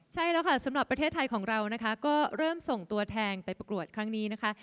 ใช่แล้วค่ะสำหรับประเทศไทยของเรานะคะก็เริ่มส่งตัวแทนไปประกวดครั้งนี้นะคะ